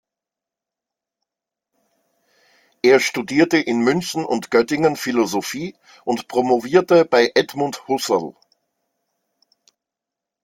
Er studierte in München und Göttingen Philosophie und promovierte bei Edmund Husserl.